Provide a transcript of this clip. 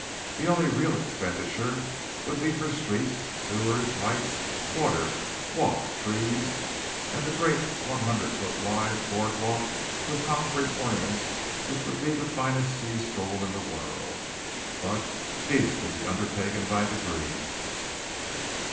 The only real expenditure would be for streets, sewers, lights, water, walks, trees, and the great one hundred foot wide boardwalk with concrete ornaments which would be the finest sea stroll in the world. But these could be undertaken by degrees.